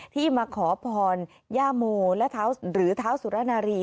ที่มาขอพรย่าโมและหรือเท้าสุรนารี